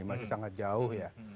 masih sangat jauh ya